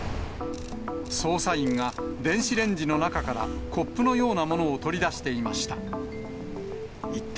捜査員が電子レンジの中からコップのようなものを取り出していました。